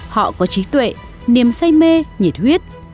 họ có trí tuệ niềm say mê nhiệt huyết